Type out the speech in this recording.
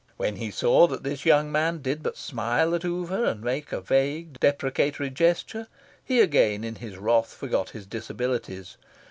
When he saw that this young man did but smile at Oover and make a vague deprecatory gesture, he again, in his wrath, forgot his disabilities.